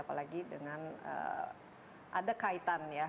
apalagi dengan ada kaitan ya